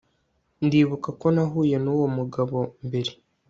Ndibuka ko nahuye nuwo mugabo mbere